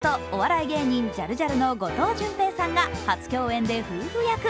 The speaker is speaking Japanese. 女優の榮倉奈々さんとお笑い芸人ジャルジャルの後藤淳平さんが初共演で夫婦役。